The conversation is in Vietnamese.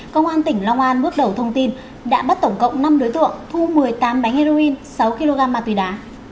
công an tỉnh long an bước đầu thông tin đã bắt tổng cộng năm đối tượng thu một mươi tám bánh heroin sáu kg ma túy đá